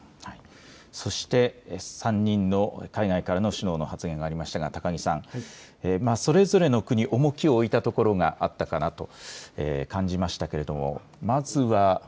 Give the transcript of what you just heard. そして３人の海外からの首脳の発言がありましたが、高木さん、それぞれの国、重きを置いたところがあったかなと感じました